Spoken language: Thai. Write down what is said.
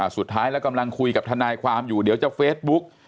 สุดท้ายแล้วกำลังคุยกับทนายความอยู่เดี๋ยวจะเฟซบุ๊ก